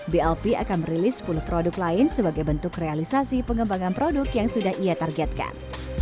blp akan merilis sepuluh produk lain sebagai bentuk realisasi pengembangan produk yang sudah ia targetkan